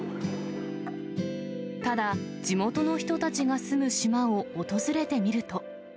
ただ、地元の人たちが住む島を訪れてみると。